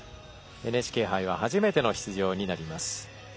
ＮＨＫ杯は初めての出場になります。